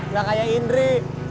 gak kayak indri